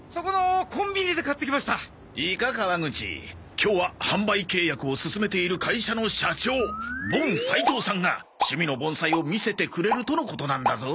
今日は販売契約を進めている会社の社長ボン・サイトウさんが趣味の盆栽を見せてくれるとのことなんだぞ。